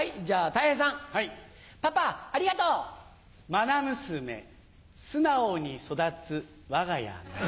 まな娘素直に育つ我が家なり。